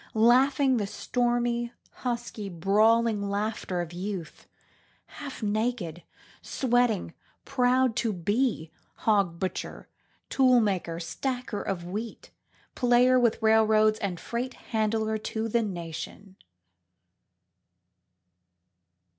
Laughing the stormy, husky, brawling laughter of Youth, half naked, sweating, proud to be Hog Butcher, Tool Maker, Stacker of Wheat, Player with Railroads and Freight Handler to the Nation.